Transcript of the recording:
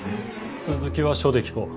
続きは署で聞こう。